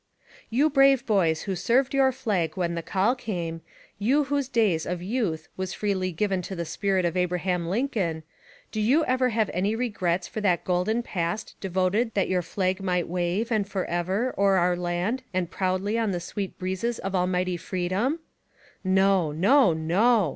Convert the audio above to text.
You brave boys who served your flag when the call came — you whose days of youth was freely given to the spirit of Abraham Lincoln — ^do you ever have any regrets for that golden past devoted that your flag might wave, and forever o'er our land and proudly on the sweet breezes of almighty free dom? No! No! No!